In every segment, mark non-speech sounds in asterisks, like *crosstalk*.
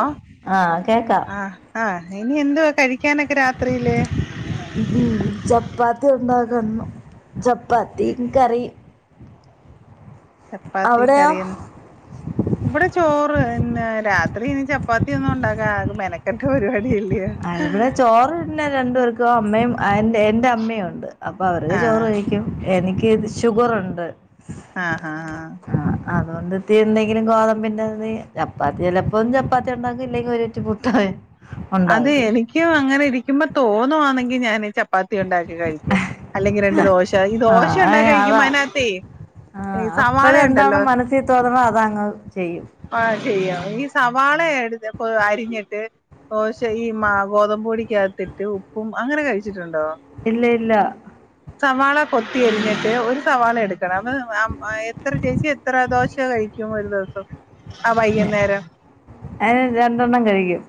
ആ ആ കേക്കാം ആഹ ആഹ് ഇനി എന്വാ കഴിക്കാനൊക്കെ രാത്രിയിലേ ജപ്പ ത്തി ഉണ്ടാക്കു ചപ്പാത്തി കറി ചപ്പാത്തി കറിയ ഇവിടെ ചോറ് പിന്നെ രാത്രി ഇനി ചപ്പാത്തിയ ഒന്നും ഉണ്ടാാക്ക മെനക്കെട്ട പരിപാടില്ല അവിടെ ചോറ് പിന്നെ രണ്ട പേർക്കും അമ്മയും എറെ എറെ അമ്മയും ഉണ്ട് അപ്പൊ അവരു ആഹ് ചോറായിരിക്കും എനിക്ക് ഷുഗർുണ്ട് ആഹ് ഹഹ ആഹ് അതുകൊണ്ട്ത്തി എന്തെങ്കിലും ഗോതം പിന്നെ ചപ്പാത്തി ചിലപ്പോും ചപ്പാത്തി ഉണ്ടാക്കും ഇല്ലെങ്കിൽ ഒരുറ്റ പട്ട അതെ എനിക്ക് അങ്ങനെ ഇരിക്കുമ്പോ തോന്നുവാണെങ്കിൽ ഞാ ചപ്പാത്തി ഉണ്ടാക്കി കഴിക്കും അല്ലെങ്കി രണ്ട് ദോശ ഈ ആ ദോശ ഉണ്ടാക്കി ഏ, കഴിക്കും അതാ അനാത്തി ആ സവാള അപ്പോഴെന്താണ് ഉണ്ടല്ലോ മനസ്സിൽ തോന്നണോ അതങ്ങ് ചെയ്യും ആഹ ചെയ്യാം സവാള എടുത്ത് അരിഞ്ഞിട്ട് ദോശ ഈ മാ ഗോതമ്പ്, പൊടിക്കകത്തിട്ട് ഉപ്പും അങ്ങനെ കഴിച്ചിട്ടുണ്ടോ ഇല്ല ഇല്ല സവാള കൊത്തി അരിഞ്ഞിട്ട് ഒരു സവാള എടുക്കണം അ എത്ര ചേച്ചി എത്ര ദോശ ദോൾ കഴിക്കും ഒരു ദിവസം ആ ഞാൻ വൈകുന്നേരം അത് രണ്ടെണ്ണം കഴിക്കും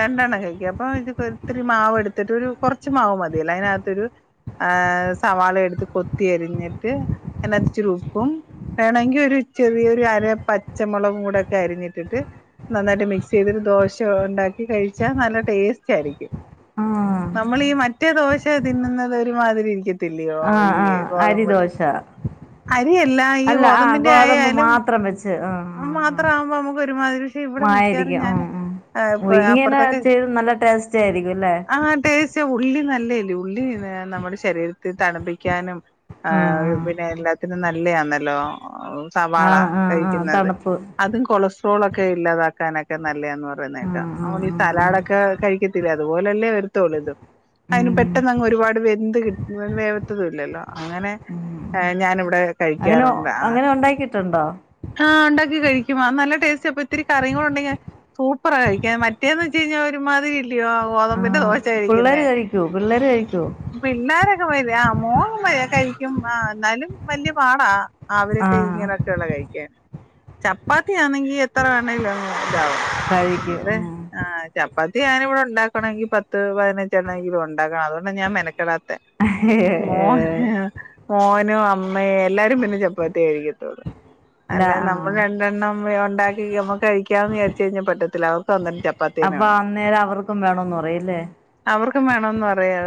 രണ്ടെണ്ണം കഴിക്ക അപ്പൊ ഇത് ഒത്തിരി മാവ് എടുത്തിട്ട് ഒരു കുറച്ച് മാവ് മതിയല്ല അതിനകത്തരു ആ സവാള എടുത്ത് കൊത്തിയരിഞ്ഞിട്ട് അതികത്ത് ഇച്ചിരി ഉപ്പും വേണെങ്കിൽ ഒരു ചെറിയൊരു അര പച്ചമുളകും കൂടെ ഒക്കെ അരിഞ്ഞിട്ടിട്ട് നന്നായിട്ട് മിക്സ് ചെയ്തിരു ദോശ ഉണ്ടാക്കി കഴിച്ചാ നല്ല ടേസ്റ്റ് ആയിരിക്കും ആഹ് നമ്മൾ ഈ മറ്റേ ദോശ തിന്നുന്നത് ഒരുമാതിരി ഇരിക്ക- ത്തില്ലയോ ആഹ് ഈ ആഹ് ഗോതമ്പ- അരിദോശ അരിയല്ല ഈ അല്ല ആഹ് ഗോതമ്പിന്റെ ഗോതമ്പ് ആയാലും മാത്രം വെച്ച് ആഹ് ആഹ് ആഹ് മാത്രമാകുമ്പോ നമുക്ക് ഒരുമാതിരി ഇവിടെ മിക്കവാറും മായിരിക്കും ഞാൻ ഉം ഉം ഇങ്ങനെ അപ്പുറത്തൊക്കെ ചെയ്ത് നല്ല ടേസ്റ്റ് ആയിരിക്കും അല്ലേ ആ ടേസ്റ്റ് ഉള്ളി നല്ലയല്ലേ ഉള്ളി നമ്മുടെ ശരീരത്തെ തണുപ്പിക്കാനും ആഹ് എല്ലാത്തിനും നല്ലതല്ലേ നല്ലയാണല്ലാ സവാള ആഹ് ആഹ് ആഹ് കഴിക്കുന്നത് തണുപ്പ് അതും കൊളസ്ട്രോൾക്കെ ഇല്ലാതാക്കും വക്കാനൊക്കെ നല്ലതാന്ന് പറയുന്ന ആഹ് കേൾക്കാം ഈ ആഹ് ആഹ് ആഹ് സലാഡ് ഒക്കെ കഴിക്കത്തില്ല അതുപലല്ലേ വെ- ഇത് അതിന് ഉം പെട്ടെന്ന് അങ്ങ് ഒരുപാട് വെന്ത് കി വേവത്തതും ഇല്ലല്ലോ അങ്ങനെ ഞാനിവിടെ അങ്ങനെ കഴിക്കാറുണ്ട് അങ്ങനെ ഉണ്ടാക്കിയിട്ടുണ്ടോ ആ ഉണ്ടാക്കി കഴിക്കും അത് നല്ല ടേസ്റ്റ് അപ്പം ഇത്തിരി കറിയ കൂടി ഉണ്ടെങ്കി സൂപ്പറാ കഴിക്കാൻ മറ്റേത് എന്ന് വെച്ച് ഒരുമാതിരി ഗോതമ്പിന്റെ ആഹ് ദോശ കഴിക്കുന്നേ പിള്ളേര് കഴിക്കോ പിള്ളേര് കഴിക്കോ പിള്ളാരൊക്കെ മൈദയാ മോൻ കഴിക്കും ആ എന്നാലും വല്യ പാടാ അവരൊക്കെ ആഹ് ഇങ്ങനെയൊക്കെയ ഉള്ള കഴിക്കാൻ ചപ്പാത്തിയാണെങ്കി എത്ര വേണേലോ ഇതാവും കഴിക്കും അതെ ഉം ചപ്പാത്തി ഞാൻ ഇവിടെ ഉണ്ടാക്കണമെങ്കിൽ പത്ത് പതിനഞ്ചെണ്ണമെങ്കിലും ഉണ്ടാ- അതുകൊണ്ടാ ഞാൻ മെനക്കെടാത്തത് മോ ആഹ് മോന് ട്ടനും അമ്മയോ എല്ലാരും പിന്നെ ചപ്പാത്തി കഴിക്കത്തുള്ളൂ അല്ലെ നമ്മൾ രണ്ടെണ്ണം ഉണ്ടാക്കി നമ്മുക്ക് കഴിക്കാന്ന് വിചാരിച്ച കഴിഞ്ഞാൽ പറ്റത്തില്ല അവർക്ക് അന്നരം ചപ്പാ- പ്പാത്തി തന്നെ അപ്പൊ വേണം അന്നേരം അവർക്കും വേണോന്ന് പറയും അല്ലേ അവർക്കും വേണന്ന് പറയാ-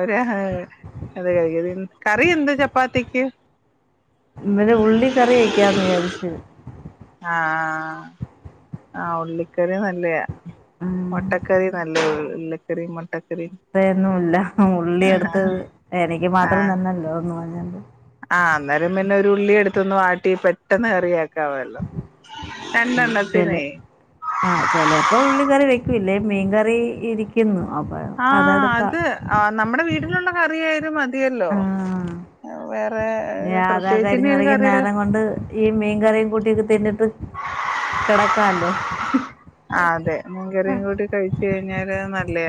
അത് കാര്യ കറി എന്താ ചപ്പാത്തിക്ക് ഇന്നൊരു ഉള്ളി കറിവെക്കാന്ന് വിചാരിച്ച് ആ ആ ഉള്ളിക്കറി നല്ലയാ ഉം മുട്ടക്കറി നല്ല ഉള്ളിക്കറി മുട്ടക്ക അത്രയൊന്നുമല്ല ഉള്ളി എടുത്തത് എനിക്ക് മാത്രം ആഹ് തന്നല്ലോന്ന് പറഞ്ഞോണ്ട് ആഹ് അന്നേരം പിന്നെ ഒരു ഉള്ളി എടുത്തിട്ട് വാട്ടി പെട്ടെന്ന് കറിയാക്കാം ചില ആ ചിലപ്പോ ഉള്ള കറി വെക്കും ഇല്ലേൽ മീൻകറി ഇരിക്കുന്നു അപ്പൊ ആ അതെടുക്കാം അത് നമ്മുടെ വീട്ടിലുള്ള കറിയായാലും മതിയല്ലോ വേറെ അതാ അതാ പ്രത്യേകിച്ച് ഇനി അരിഞ്ഞു ഒരു പറക്കണ കറിയുടെ നേരം കൊണ്ട് ഈ മീൻകറിയും കുട്ടിയൊക്കെ തിന്നിട്ട് കിടക്കാല്ലോ ആ അതെ മീൻ കറിയും കൂട്ടി കഴിച്ച് കഴിഞ്ഞാൽ നല്ല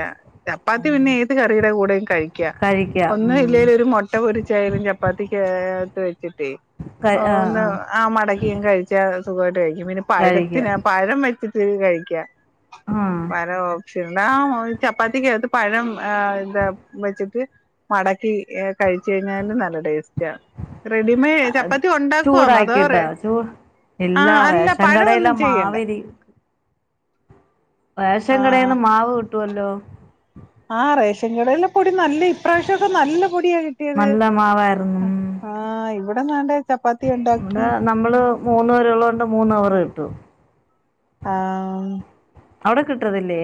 ചപ്പാത്തി പിന്നെ ഏത് കറിയുടെ കൂടെ കഴിക്കാം കഴിക്കാം ഉം ഒന്നുമില്ലേലും ഒരു മുട്ട പൊരിച്ചയാലും ചപ്പാത്തിക്ക് അകത്ത് വച്ച് കഴിക്കാം ആഹ് ഒന്ന് ആഹ് ആ മടക്കിയ കഴിച്ച സുഖാ- പിന്നെ പഴത്തിന് കഴിക്കാം പഴം വെച്ചിട്ട് കഴിക്കാം ആഹ് പഴ- പിന്നെ ചപ്പാത്തിക്കകത്ത് പഴം എന്താ വെച്ചിട്ട് മടക്കി കഴിച്ച് കഴിഞ്ഞാലും നല്ല ടേസ്റ്റ് ആണ് റെഡിമെയഡ് ചപ്പാത്തി ഉണ്ടാക്കുവാന്നോ അതോ ചൂടാക്കിട്ടാ റെ- ചൂ ആ ഇല്ല അല്ല റേഷൻ പഴം ഒന്നും കടയിലെ ചെയ്യണ്ട മാവിരി റേഷൻ ആ കടേന്ന് മാവ് കിട്ടുവലോ ആ റേഷൻ കടേല് കു ട്ടും നല്ല ഇപ്രാവശ്യോക്ക നല്ല പൊടിയാ കിട്ടിയത് നല്ല മാവായിരുന്നു ആ ആ ഇവിട ദാണ്ടെ ഇവിട നമ്മള് മൂന്നവരെ ഒള്ളോണ്ട് മൂന്നവറേ കിട്ടു ആഹ അവിടെ കിട്ടത്തില്ലേ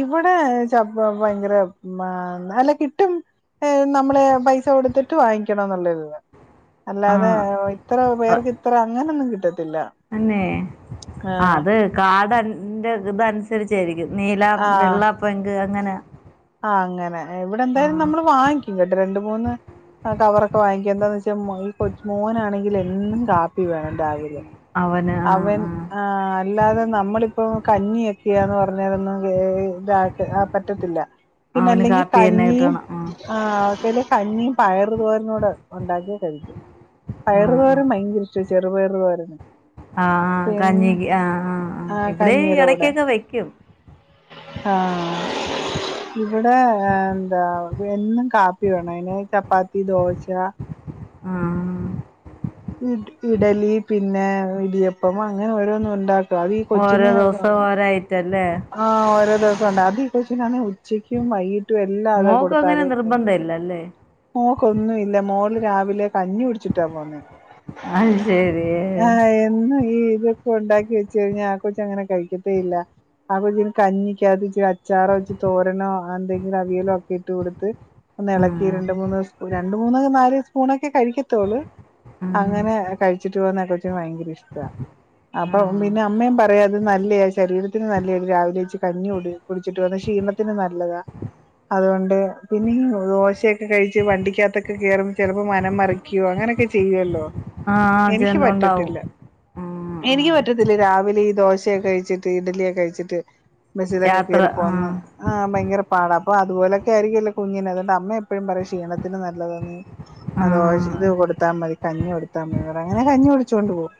ഇവടെ ചപ്പോ ഭയങ്കര മ അല്ല കിട്ടും ഏ നമ്മള് പൈസ കൊടുത്തിട്ട് വാങ്ങിക്കണംന്നുള്ളതിന്നെ അല്ലാതെ ആഹ് ആ ഇത്ര പേർക്ക് ഇത്ര അങ്ങനൊന്നും കി അന്നെ ആ ആഹ് അത് കാർഡൻ ന്റ ഇത് ഇതനുസരിച്ചേരിക്കും നീല വെള്ള പിങ്ക് അങ്ങന ആഹ അങ്ങനെ ഇവിട എന്തായാലും നമ്മള് വാങ്ങിക്കും കേട്ട രണ്ട് മൂന്ന് ആ കവറൊക്കെ വാങ്ങിക്കും എന്താന്ന് വ ച്ചമകൾ കൊച്ചുമോനാണെങ്കിലെ എന്നും കാപ്പി വേണം രാവിലെ അവന് ആഹ് അവൻ ആഹ് ആ അല്ലാതെ നമ്മളിപ്പോ കഞ്ഞിയക്കെയാന്ന് പറഞ്ഞാലൊന്നും രാത്ത് ആ പറ്റത്തില്ല പിന്ന അവന് അല്ലെങ്കി കാപ്പി തന്നെ കഞ്ഞിയും കിട്ടണം ആഹ് ആ കഞ്ഞീം പയറുതോരനൂട ഉണ്ടാക്കീം കഴിക്കും ആഹ് പയറുതോരൻ ഭയങ്കര ഇഷ്ട ചെ ചെറുപയർ തോരൻ ആഹ് കഞ്ഞി ആഹ് ആഹ് ഇവിടേം എടക്കക്ക വെക്കും ആഹ ഇവിടെ എന്താ എന്നും കാപ്പി വേണം അയിന് ചപ്പാത്തി ദോശ ആഹ ഇഡ് ഇഡലി പിന്നെ ഇടിയപ്പം അങ്ങന ഓരോന്ന് ഉണ്ടാ അതി ഓരോ കൊച്ചിന് ദിവസം ഓരോ ഐറ്റം അല്ലേ ആഹ ഓരോ ദിവസോം ഉണ്ടാ അത് ഈ കൊച്ചിനാണെ ഉച്ചക്കും വൈകി ട്ടും എല്ലാം അതാ മോൾക്ക് കൊടുത്താത് അങ്ങനെ പിന്ന നിർബന്ധമില്ല അല്ലേ മോക്കൊന്നും ഇല്ല മോൾ രാവിലെ കഞ്ഞി കുടിച്ചിട്ടാ പോണെ അഹശരിയേ എന്നും ഈ ഇതൊക്കെ ഉണ്ടാക്കി വെച്ച് കഴിഞ്ഞാ ആ കൊച്ചങ്ങന കഴിക്കത്തേ ഇല്ല ആ കൊച്ച് കഞ്ഞിക്കാത്ത് ഇത്തിരി അ ച്ചാറോ ഇച്ചി തോരനോ ആ എന്തെങ്കിലും അവിയലോ ഒക്കെ ഇട്ട് കൊടുത്ത് ഒന്ന് ആ എളക്കി രണ്ട് മൂന്ന് ഒരണ്ട് മൂന്ന് നാല് സ്പൂണൊക്കെ കഴി ഴിക്കത്തോള് ആ അങ്ങനെ കഴിച്ചിട്ട് പോകുന്നെ ആ കൊച്ചിന് ഭയങ്കര ഇഷ്ടാ ആ അപ്പൊ പിന്നെ അമ്മയും പറയോ നല്ലെയാ ശരീരത്തിന് നല്ലെയാ രാവിലെ എച്ച് കഞ്ഞി കുടി കുടിച്ചിട്ട് പോണേ ക്ഷീണത്തിന് നല്ലതാ അതുകൊണ്ട് പിന്നീ ദോശയൊക്കെ കഴിച്ച് വണ്ടിക്കാത്തൊക്കെ കേറും ചെലപ്പോ മനം മറിക്കോ അ അങ്ങനെയൊക്കെ ചെയ്യുവല്ലോ ആ എനിക്ക് ജനം ഉണ്ടാവും പറ്റത്തില്ല ആ ആ എനിക്ക് പറ്റത്തില്ല രാവിലെ ഈ ദോ ശേ കഴിച്ചിട്ട് ഇഡലിയ കഴിച്ചിട്ട് ബസിലൊക്കെ യാത്ര കേറി ആ പോന്ന ആ ഭയങ്കര പാടാ പ്പൊ അതുപോലൊക്കെ ആയിരിക്കല്ലോ കുഞ്ഞിന് അതെന്റ അമ്മ എപ്പഴും പറയും ക്ഷീണത്തിന് നല്ലതാന്ന് ആ അതോശിത് കൊടുത്താ മതി കഞ്ഞി കൊടുത്താ മ അങ്ങനെ കഞ്ഞികുടിച്ചോണ്ട് പോവും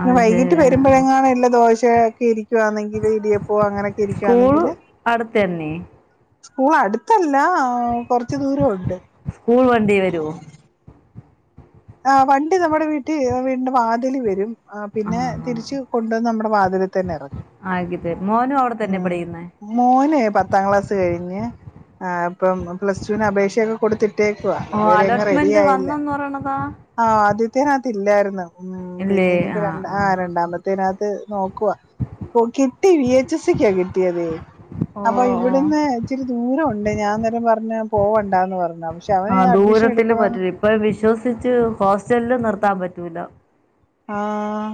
പിന്നെ അത് ശരി വൈകിട്ട് ആ ആ വരുമ്പൊഴെങ്ങാനും ഇല്ല ദോശേക്കേ ഇരിക്കുവാന്നെങ്കില് ഇടിയപ്പോ അങ്ങനെ സ്കൂള് അടുത്തെന്നെ സ്കൂൾ അടുത്തല്ല ആ കൊറച്ച് ദൂരവൊണ്ട് സ്കൂൾ വണ്ടി വരുമോ ആ വണ്ടി നമ്മുടെ വീട്ടി വീടിന്റെ വാതിലി വരും ആ പിന്നെ തിരിച്ചു കൊണ്ടുവന്ന് നമ്മ തന്നറ ആക്കി തരും മോനും അവിടെ തന്നെ ഉം പഠിക്കുന്നത് മോനെ പത്താം ക്ലാസ് കഴിഞ്ഞ് ആ അപ്പം പ്ലസ്ടൂന് അപേക്ഷയൊക്ക കൊടുത്തിട്ടേക്കുവാ ഓ ഇതുവരെ എങ്ങും റെഡി അലോട്ട്മെന്റ് ആയില്ല വന്നന്ന് പറയണതാ ആഹ ആദ്യത്തെേനാത്ത് ഇല്ലാരുന്ന് ഉം പിന്നെ ഇനിയിപ്പോ രണ്ടാ ആ രണ്ടാമത്തേനാ ത്ത് നോക്കുവാ ഓ കിട്ടി വി എച്ച് സിക്കാ കിട്ടിയതേ ഓ അപ്പൊ ഓ ഇവിടുന്ന് ഇച്ചിരി ദൂരവൊണ്ട് ഞാൻ അന്നേരം പറഞ്ഞ് പോവണ്ടാന്ന് പറ ആഹ ദൂരത്തില് പറ്റൂല ഇപ്പൊ വിശ്വസിച്ച് ഹോസ്റ്റലില് നിർത്താൻ പറ്റൂല ആഹ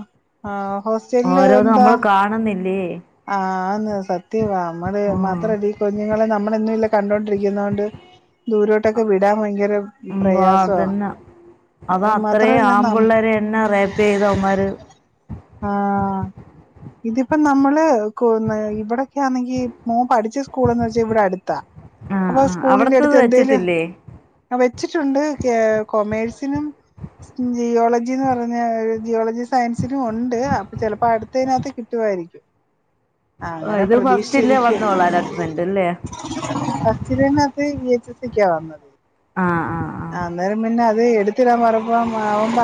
ആഹ ഹോസ്റ്റലില് ഓരോന്ന് എന്താ? നമ്മള് കാണുന്നില്ലേ ആന്ന് സത്യവാ നമ്മള് ആ മാത്രല്ല ഈ കുഞ്ഞുങ്ങളെ നമ്മ ളെന്നും ഇല്ലെ കണ്ടൊണ്ടിരിക്കുന്നോണ്ട് ദൂരോട്ടൊക്കെ വിടാൻ ഭയങ്കര ഉം വാ പ്രയാസവാ അതന്ന അത അത്രയും മാത്രല്ല നം ആമ്പള്ളേരെ എന്ന റേപ്പെയ്തവന്മാര് ആഹ് ഇതിപ്പം നമ്മള് കൊ ഇവിടെക്കാ ന്നെങ്കി മോൻ പഠി ച്ച സ്കൂൾന്ന് വെച്ചാ ഇവിടെ അടുത്താ ആ അപ്പൊ ആ സ്കൂളിന്റെ അവിടത്തത് എടുത്ത് എന്തേലും വെച്ചിട്ടില്ലേ വെച്ചിട്ടുണ്ട് കൊമേഴ്സിനും ജിയോളജിന്ന് പറഞ്ഞ ജിയോളജി സയൻസിലും ഉണ്ട് അപ്പൊ ചിലപ്പോ അടുത്തേനകത്ത് കിട്ടുവായിരിക്കും ആ ഓ അങ്ങനെ ഇത് ഫസ്റ്റില്ലേ പ്രതീക്ഷിച്ചിരിക്യാ വന്നോളൂ അലോട്ട്മെന്റ് അല്ലേ ഫസ്റ്റ് ലെന്നെ അത് വി എച്ച് എസ് സി ക്ക വന്നത് ആ ആ ആ അന്നേരം പിന്നെ അത് എടുത്തിടാൻ പറഞ്ഞപ്പം അവൻ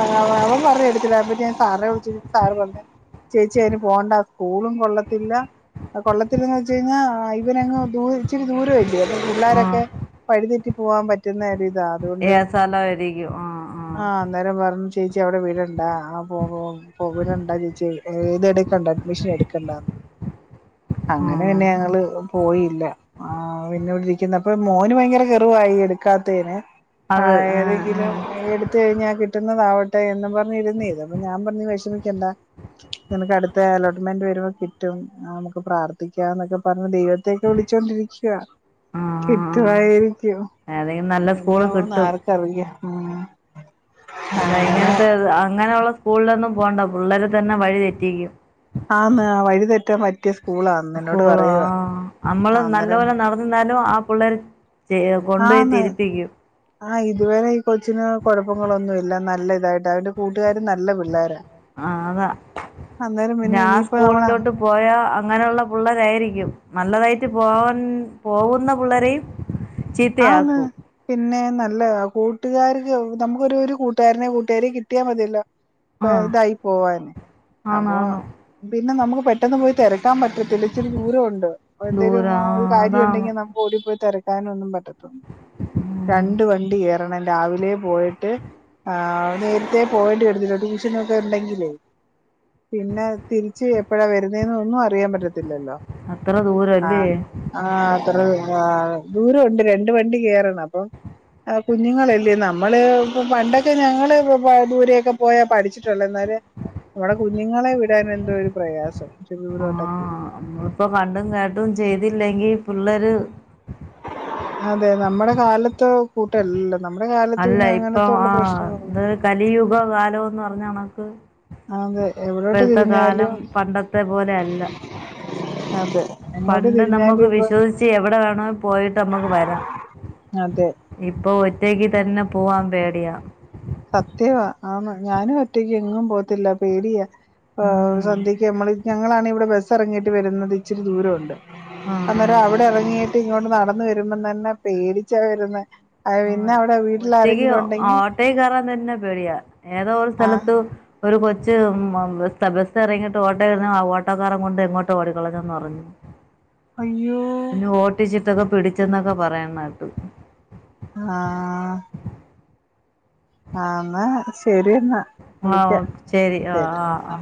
അവൻ പറഞ്ഞ് എടുത്തിടാന്ന് പക്ഷെ ഞാൻ സാറെ വിളിച്ച് ചോയ്ച്ചപ്പൊ സാറ് പറഞ്ഞ് ചേച്ചി അയ്ന് പോകണ്ട സ്കൂളും കൊള്ളത്തില്ല. കൊള്ളത്തില്ലന്ന് വെച്ച് കഴിഞ്ഞാ ഇവനങ്ങ് ദൂ ഇച്ചിരി ദൂര അല്ലേ ആ പിള്ളാരൊക്കെ വഴിതെറ്റി പോവാൻ പറ്റുന്ന ര് താ ഏ അതുകൊണ്ട് സ്ഥലമായിരിക്കും ആ ആ ആഹ് അന്നേരം പറഞ്ഞ് ചേച്ചി അവിടെ വിടണ്ട ആഹ് വിടണ്ട ചേച്ചി ഇത് എടുക്കണ്ട അഡ്മിഷൻ എടു ണ്ടാന്ന്. ആ അങ്ങനെ പിന്നെ ഞങ്ങള് പോയി ല്ല. ആഹ് പിന്നോട്രിക്കുന്ന അപ്പൊ മോന് ഭയങ്കര കെറുവായി. എടുക്കാത്തേന് അത് ആഹ് ആ ഏതെങ്കിലും ആ എടുത്ത് കഴിഞ്ഞാൽ കിട്ടുന്നതാവട്ടെ എന്നും പറ ഞിരുന്നേന്നു. അപ്പം ഞാൻ പറഞ്ഞ് വെഷമിക്കണ്ട. നിനക്ക് അട്ത്ത അലോട്ട്മെൻ്റ് വരു *unintelligible* കിട്ടും നമുക്ക് പ്രാർത്ഥിക്യാ എന്നൊക്കെ പറ ഞ്ഞു ദൈവത്തെ ഒക്കെ വിളിച്ചൊണ്ടിരിക്കുവാ. ആഹ് കിട്ടുവായിരിക്കും ഏതെങ്കിലും നല്ല സ്കൂള് എന്താവൂന്ന് കിട്ടും ആർക്കറിയാം. ഉം അല്ലാ അങ്ങനെ ഇങ്ങനത്തെ അങ്ങനെയുള്ള സ്കൂളിലൊന്നും പോണ്ട. പിള്ളേരെ തന്നെ വഴി തെറ്റിക്കും. ആന്ന്. വഴി തെറ്റാൻ പറ്റിയ സ് സ്കൂളോ ആ നമ്മള് നല്ല അന്നേരം പോലെ നടന്നന്നാലും ആ പിള്ളേർ ആന്ന് ആ ഇതുവരെ ഈ കൊച്ചിന് കൊഴപ്പങ്ങളൊന്നു ഇല്ല. നല്ല തായിട്ടാ. അവന്റെ കൂട്ടുകാരും നല്ല പിള്ളേരാ ആ അതാ അന്നേരം പിന്നെ ഞാൻ ഇനിയിപ്പോ നമ്മള സ്കൂളിലോട്ട് പോയാ അങ്ങനെയുള്ള പിള്ളേരായിരിക്കും നല്ലതായിട്ട് പോവാൻ പോവുന്നന്ന പിള്ളേരയും ആന്ന് പിന്നേ. ന ല്ലതാ. കൂട്ടുകാർക്ക് നമുക്കൊരു ഒരു കൂട്ടുകാരനെ കൂട്ടുകാരിയെ കിട്ടിയാ മതിയല്ലോ ഇപ്പ ആഹ് ഇതായി പോവാന് അപ്പൊ ആണാണ് പിന്നെ നമുക്ക് പെട്ടെന്ന് പോയി തെര ക്കാൻ പറ്റത്തില്ല. ഇച്ചിരി ദൂരവുണ്ട്. എന്തേലും ദൂരം ആ ഒരു ആഹ് കാര്യ അതാണ് ഉണ്ടെങ്കിൽ നമുക്ക് ഓടിപ്പോയി തെരക്കാനൊന്നും പറ്റ് ഉം രണ്ട് വണ്ടി കേറണം. രാവി ലെ പോയിട്ട് ആ നേരത്തെ പോവേണ്ടി വരത്തില്ലെ ട്യൂഷനൊക്കെ ഉണ്ടെങ്കിലേ പിന്നെ തിരിച്ച് എപ്പഴാ വരുന്നേന്ന് ഒന്നും അറിയാൻ പറ്റത്തി ല്ലല്ലോ. അത്ര ദൂരല്ലേ ആഹ് ദൂരവുണ്ട് രണ്ട് വണ്ടി കേറണം. അപ്പം ആ കുഞ്ഞുങ്ങളല്ലേ നമ്മള് ഇപ്പ പണ്ടൊക്കെ ഞങ്ങള് ഇ ദൂരെയൊക്കെ പോയാ പഠിച്ചിട്ടുള്ളെ എന്നാ *unintelligible* നമ്മുടെ കുഞ്ഞുങ്ങളെ വിടാൻ എന്തോ ഒരു പ്രയാസം ഇച്ചിരി ദൂരോട്ടൊക്കെ ആഹ് നമ്മളിപ്പോ കണ്ടും കേട്ടും ചെയ്തില്ലെങ്കി പിള്ളേര് അതെ നമ്മുടെ കാലത്ത് കൂട്ടല്ല അല്ല ഇപ്പൊ ആഹ് ഇന്ന് കലിയുഗ കാലോന്ന് പറഞ്ഞ കണക്ക് അതെ എവിടോട്ട് ഇപ്പഴത്തെ കാലം തിരിഞ്ഞാലും പണ്ടത്തെ പോലെ അല്ല അതെ എങ്ങോട്ട് പണ്ട് തിരിഞ്ഞാലും നമ്മുക്ക് ഇപ്പൊ വിശ്വസിച്ച് എവിടെ വേണോ പോയിട്ടമ്മക്ക് വരാം അതെ ഇപ്പൊ ഒറ്റയ്ക്ക് തന്നെ പോവാൻ പേടിയാ സത്യവാ ആന്ന് ഞാനും ഒറ്റയ്ക്ക് എങ്ങും പോകത്തില്ല പേടിയാ ഉം സന്ധ്യക്ക് നമ്മൾ ഞങ്ങളാണ് ഇവിടെ ബസ് ഇറങ്ങിയിട്ട് വരുന്നത് ഇച്ചിരി ദൂരവുണ്ട് ആ അന്നേരം അവിടെ ഇറങ്ങിയിട്ട് ഇങ്ങോട്ട നടന്ന വരുമ്പ തന്നെ പേടിച്ചാ വരുന്ന. അത് ആ പിന്നെ അവിടെ വീട്ടിൽ ആരെങ്കിലും ഉണ്ടെങ്കി റൻ തന്നെ പേടിയ ഏതോ ഒരു ആഹ് സ്ഥലത്ത് ഒരു കൊച്ച് ബസ് ഇറങ്ങിയിട്ട് ഓട്ടോ ഇരുന്നു ആ ഓട്ടോക്കാരൻ കൊണ്ട് എങ്ങോട്ട് ഓടിക്കളഞ്ഞെന്ന് പറഞ്ഞു. അയ്യോ പിന്നെ ഓട്ടിച്ചിട്ടൊക്കെ പിടിച്ചന്നൊക്കെ പറയണ കേട്ടു. ആ. ആ എന്നാ ശരി എന്ന. ആ ഓ വിളിക്കാം ശെരി ആ ആ ആ.